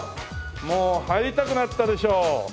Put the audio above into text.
もう入りたくなったでしょ